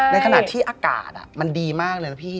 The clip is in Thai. ในขณะที่อากาศมันดีมากเลยนะพี่